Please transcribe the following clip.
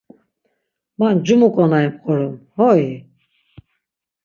Ma ncumu ǩonari mp̌orom hoi?